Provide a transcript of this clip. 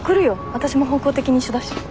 わたしも方向的に一緒だし。